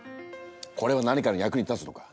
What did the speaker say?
これは何かの役に立つのか？